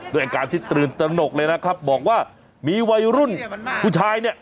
ด้วยอาการที่ตื่นตระหนกเลยนะครับบอกว่ามีวัยรุ่นผู้ชายเนี่ย